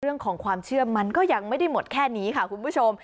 เรื่องของความเชื่อมันก็ยังไม่ได้หมดแค่นี้ค่ะคุณผู้ชม